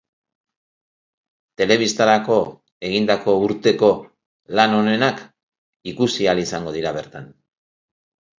Telebistarako egindako urteko lan onenak ikusi ahal izango dira bertan.